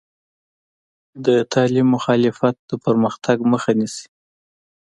د تعلیم مخالفت د پرمختګ مخه نیسي.